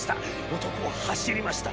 男は走りました。